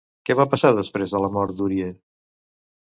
Què va passar després de la mort d'Urie?